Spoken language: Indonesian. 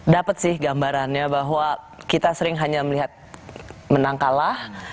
dapat sih gambarannya bahwa kita sering hanya melihat menang kalah